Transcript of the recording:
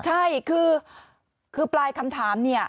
ใช่คือปลายคำถามเนี่ย